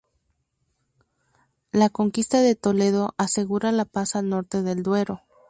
La conquista de Toledo asegura la paz al norte del Duero.